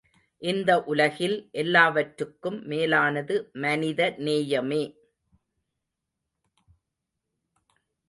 இந்த உலகில் எல்லாவற்றுக்கும் மேலானது மனித நேயமே.